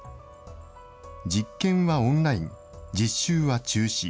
実験はオンライン、実習は中止。